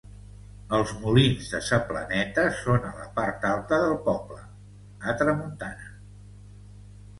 Els molins de sa Planeta són a la part alta del poble, a tramuntana.